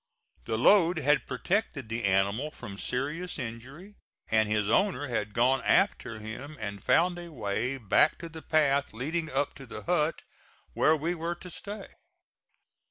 The load had protected the animal from serious injury; and his owner had gone after him and found a way back to the path leading up to the hut where we were to stay.